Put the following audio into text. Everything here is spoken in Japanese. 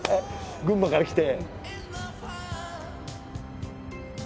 群馬から来て。